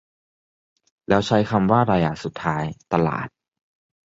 แล้วใช้คำว่าไรอ่ะสุดท้าย "ตลาด" ?